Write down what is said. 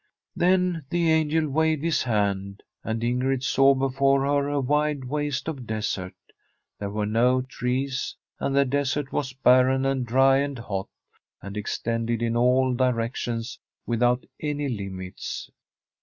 Then the angel waved his hand, and Ingrid saw before her a wide waste of desert. There were no trees, and the desert was barren and dry and hot, and extended in all directions without any limits.